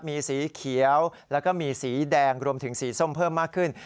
มีสีเขียวแล้วก็มีสีแดงรวมถึงสีส้มเพิ่มมากขึ้น